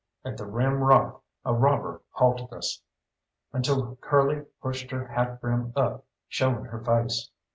At the rim rock a robber halted us, until Curly pushed her hat brim up, showing her face.